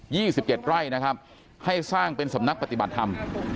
ี่สิบเจ็ดไร่นะครับให้สร้างเป็นสำนักปฏิบัติธรรม